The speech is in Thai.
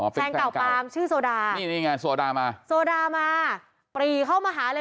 แฟนเก่าปาล์มชื่อโซดานี่นี่ไงโซดามาโซดามาปรีเข้ามาหาเลย